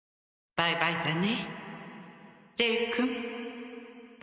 バイバイだね零君。